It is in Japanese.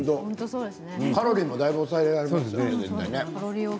カロリーも抑えられますね。